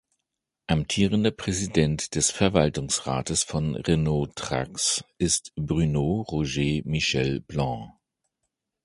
Amtierender Präsident des Verwaltungsrates von Renault Trucks ist Bruno Roger Michel Blin.